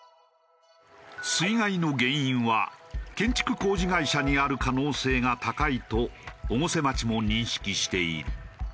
水害の原因は建築工事会社にある可能性が高いと越生町も認識している。